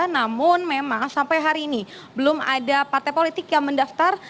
namun memang sampai hari ini belum ada partai politik yang mendaftar